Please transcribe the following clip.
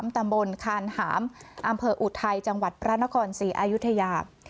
ตำบลคานหามอำเภออุทัยจังหวัดพระนครศรีอายุทยา